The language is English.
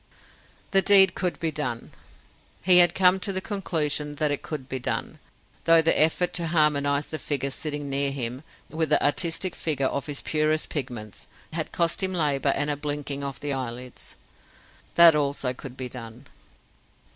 The deed could be done. He had come to the conclusion that it could be done, though the effort to harmonize the figure sitting near him, with the artistic figure of his purest pigments, had cost him labour and a blinking of the eyelids. That also could be done.